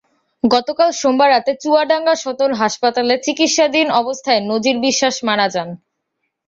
গতকাল সোমবার রাতে চুয়াডাঙ্গা সদর হাসপাতালে চিকিৎসাধীন অবস্থায় নজির বিশ্বাস মারা যান।